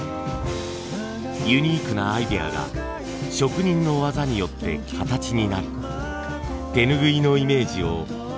ユニークなアイデアが職人の技によって形になり手ぬぐいのイメージを一新させています。